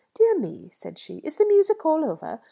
"Dear me," said she. "Is the music all over?